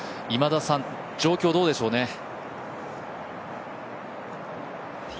今田さん、状況どうでしょうね？